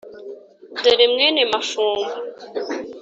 dore mwene mafumba